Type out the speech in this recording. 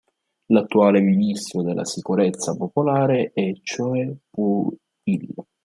L'attuale ministro della sicurezza popolare è Choe Pu-il.